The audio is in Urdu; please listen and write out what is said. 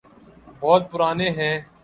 بہت پرانے ہیں۔